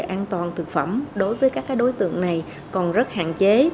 an toàn thực phẩm đối với các đối tượng này còn rất hạn chế